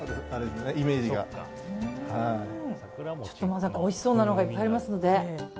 まだおいしそうなのがいっぱいありますので。